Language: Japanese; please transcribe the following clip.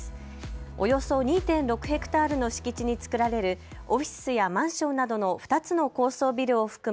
およそ２．６ヘクタールの敷地に作られるオフィスやマンションなどの２つの高層ビルを含む